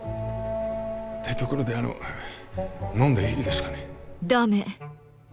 ところであの飲んでいいですかね？だめ。